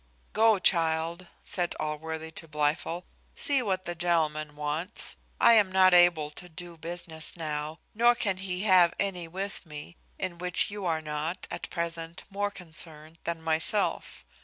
"Go, child," said Allworthy to Blifil, "see what the gentleman wants. I am not able to do any business now, nor can he have any with me, in which you are not at present more concerned than myself.